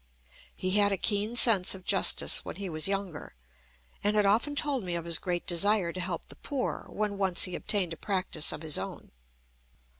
He had a keen sense of justice when he was younger, and had often told me of his great desire to help the poor when once he obtained a practice of his own.